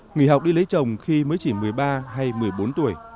nghỉ học đi lấy chồng khi mới chỉ một mươi ba hay một mươi bốn tuổi